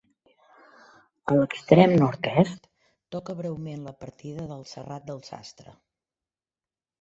A l'extrem nord-est toca breument la partida del Serrat del Sastre.